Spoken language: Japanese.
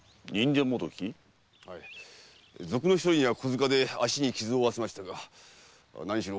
はい賊のひとりには小柄で足に傷を負わせましたが何しろ